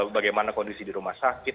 bagaimana kondisi di rumah sakit